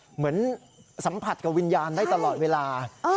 เหมือนสัมผัสกับวิญญาณได้ตลอดเวลา